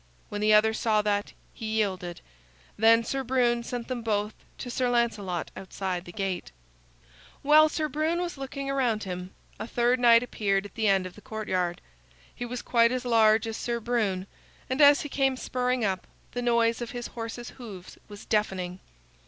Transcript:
When the other saw that, he yielded. Then Sir Brune sent them both to Sir Lancelot outside the gate. While Sir Brune was looking about him, a third knight appeared at the end of the courtyard. He was quite as large as Sir Brune, and as he came spurring up, the noise of his horse's hoofs was deafening.